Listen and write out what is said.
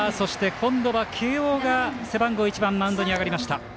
今度は慶応が背番号１番マウンドに上がりました。